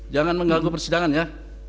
jangan mengganggu persidangan ya